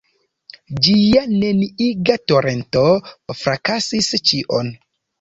Ĝia neniiga torento frakasis ĉion.